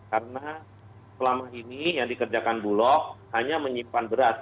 karena selama ini yang dikerjakan bulog hanya menyimpan berat